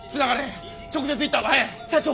社長。